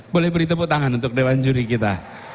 boleh beri tepuk tangan untuk dewan juri kita